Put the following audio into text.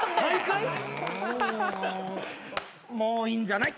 もういいんじゃない。